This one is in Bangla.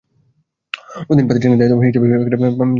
রুটিন প্রাতিষ্ঠানিক দায়িত্ব হিসেবে কেন পালন করা হয়নি এত দিন?